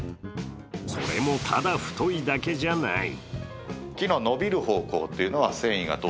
それも、ただ太いだけじゃない。